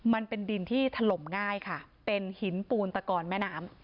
มันเป็นดินที่ถล่มง่ายค่ะเป็นหินปูนตะกอนแม่น้ำ